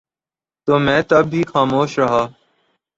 تو میں تب بھی خاموش رہا